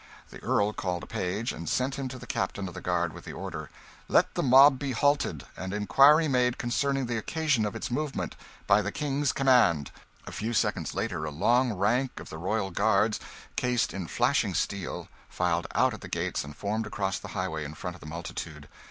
The Earl called a page, and sent him to the captain of the guard with the order "Let the mob be halted, and inquiry made concerning the occasion of its movement. By the King's command!" A few seconds later a long rank of the royal guards, cased in flashing steel, filed out at the gates and formed across the highway in front of the multitude.